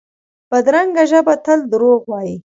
بدرنګه ژبه تل دروغ وايي